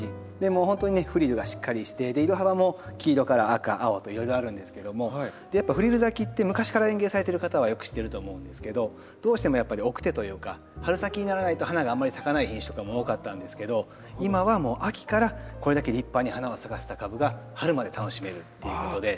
もうほんとにねフリルがしっかりして色幅も黄色から赤青といろいろあるんですけどもやっぱフリル咲きって昔から園芸されている方はよく知っていると思うんですけどどうしてもやっぱり晩生というか春先にならないと花があんまり咲かない品種とかも多かったんですけど今はもう秋からこれだけ立派に花を咲かせた株が春まで楽しめるっていうことで。